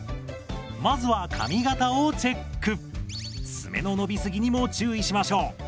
爪の伸びすぎにも注意しましょう。